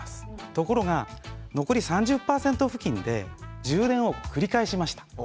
ところが、残り３０％付近で充電を繰り返しました。